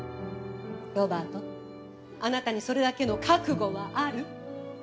ロバートあなたにそれだけの覚悟はある？